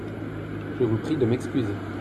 Je vous prie de m'excuser.